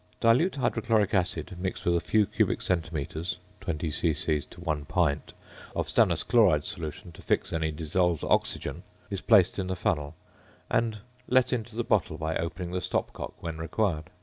Dilute hydrochloric acid mixed with a few cubic centimetres (20 c.c. to 1 pint) of stannous chloride sol. to fix any dissolved oxygen, is placed in the funnel, and let into the bottle by opening the stopcock when required.